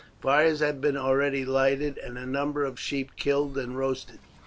Fires had been already lighted, and a number of sheep killed and roasted.